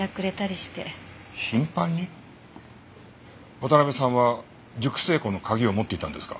渡辺さんは熟成庫の鍵を持っていたんですか？